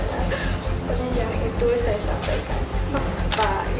saya saling mengasih bapaknya